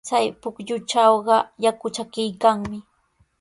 Chay pukyutrawqa yaku chakiykanmi.